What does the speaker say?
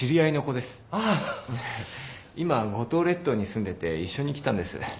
今五島列島に住んでて一緒に来たんです。